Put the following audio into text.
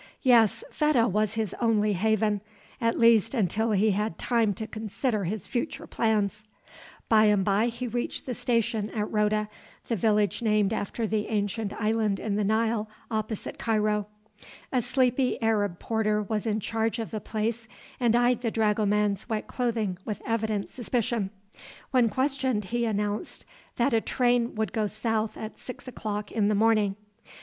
Yes, Fedah was his only haven at least until he had time to consider his future plans. By and by he reached the station at Roda the village named after the ancient island in the Nile opposite Cairo. A sleepy Arab porter was in charge of the place and eyed the dragoman's wet clothing with evident suspicion. When questioned, he announced that a train would go south at six o'clock in the morning.